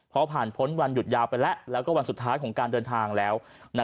เพราะผ่านพ้นวันหยดยาวแล้วก็วันสุดท้ายของการเดินทางแล้ว